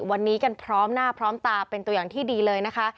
วันนี้กันพร้อมหน้าพร้อมตาเป็นตัวอย่างที่ดีเลยนะคะ